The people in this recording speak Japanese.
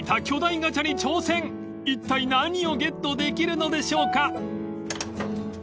［いったい何をゲットできるのでしょうか］